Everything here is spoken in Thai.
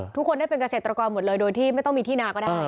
ทุกคนได้เป็นเกษตรกรหมดเลยโดยที่ไม่ต้องมีที่นาก็ได้